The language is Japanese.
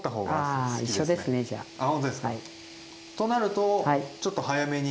となるとちょっと早めに。